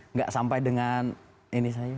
nggak sampai dengan ini saya